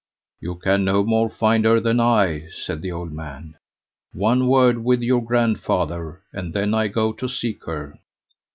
"You can no more find her than I," said the old man. "One word with your grandfather, and then I go to seek her."